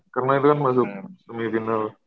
karena itu kan masuk semifinal